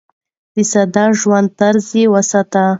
د ساده ژوند طرز يې وساته.